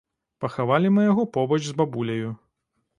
Пахавалі мы яго побач з бабуляю.